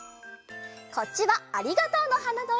こっちは「ありがとうの花」のえ！